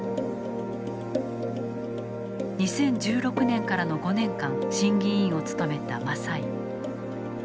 ２０１６年からの５年間審議委員を務めた政井。